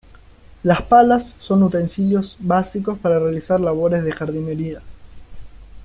Las palas son utensilios básicos para realizar labores de jardinería.